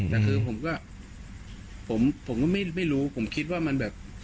แต่คือผมก็ผมก็ไม่รู้ผมคิดว่ามันแบบ